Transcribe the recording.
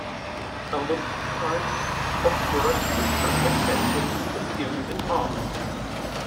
A list of types of work which are protected is given in Art.